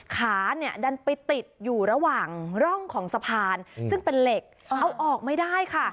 ขาเนี่ยดันไปติดอยู่ระหว่างร่องของสะพานซึ่งเป็นเหล็กเอาออกไม่ได้ค่ะ